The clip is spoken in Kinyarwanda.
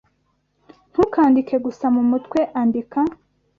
ntukandike gusa mumutwe-andika